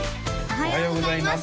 おはようございます